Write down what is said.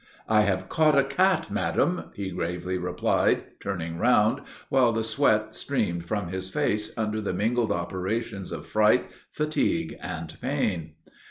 "I have caught a cat, madam!" he gravely replied, turning round, while the sweat streamed from his face under the mingled operations of fright, fatigue, and pain.